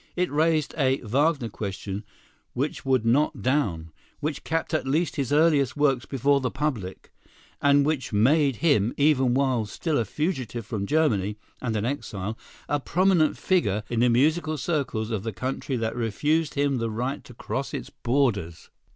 It raised a "Wagner question" which would not down; which kept at least his earlier works before the public; and which made him, even while still a fugitive from Germany, and an exile, a prominent figure in the musical circles of the country that refused him the right to cross its borders.